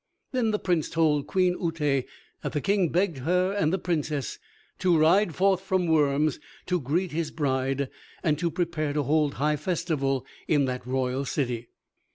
Then the Prince told Queen Uté that the King begged her and the Princess to ride forth from Worms to greet his bride, and to prepare to hold high festival in the royal city.